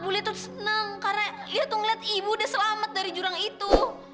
bu li tuh seneng karena ibu tuh ngeliat ibu udah selamat dari jurang itu